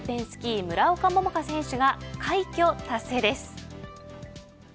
スキー村岡桃佳選手が快挙達成です。